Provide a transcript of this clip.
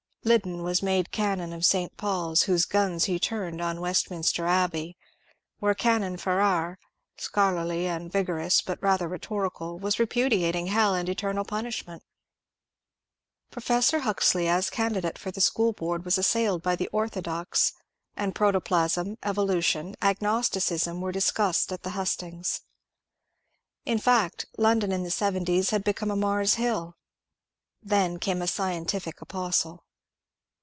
Liddon was made Canon of St. Paul's, whose guns he turned on Westmin ster Abbey, where Canon Farrar — scholarly and vigorous but rather rhetorical — was repudiating hell and eternal punish ment. Professor Huxley as candidate for the school board VOL. U 886 MONCURE DANIEL CONWAY was assailed bj the orthodox, and protoplasm, evolution, ag nosticism were discussed at the hustings. In fact, London in the seventies had become a Mars HilL Then came a scien tific apostle.